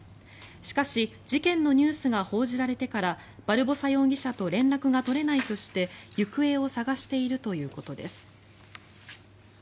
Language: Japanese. しかし、事件のニュースが報じられてからバルボサ容疑者と連絡が取れないとして行方を捜しているということです。